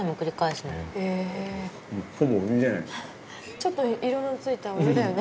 ちょっと色のついたお湯だよね。